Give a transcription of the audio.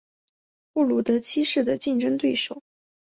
布鲁德七世的竞争对手。